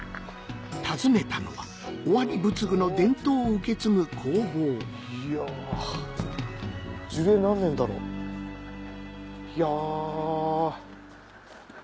訪ねたのは尾張仏具の伝統を受け継ぐ工房樹齢何年だろう？いや。